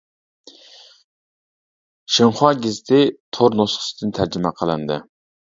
شىنخۇا گېزىتى تور نۇسخىسىدىن تەرجىمە قىلىندى.